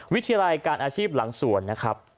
วิทยาลัยการอาชีพหลังสวนนะครับ